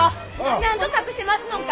なんぞ隠してますのんか！？